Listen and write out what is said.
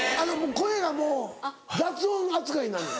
声がもう雑音扱いになんの。